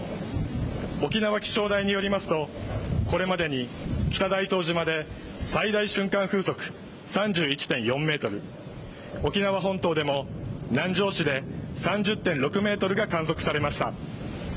沖縄気象台によりますと、これまでに北大東島で最大瞬間風速３１．４メートル、沖縄本島でも南城市で３０．６メートルが観測されました。